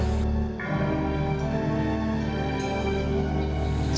kita harus istirahat di mobil